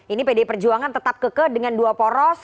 ini pdi perjuangan tetap keke dengan dua poros